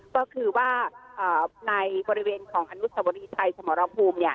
ก็คือว่าในบริเวณของอนุสวรีชัยสมรภูมิ